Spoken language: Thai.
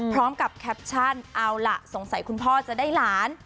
แคปชั่นเอาล่ะสงสัยคุณพ่อจะได้หลาน